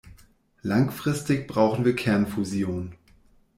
Langfristig brauchen wir Kernfusion.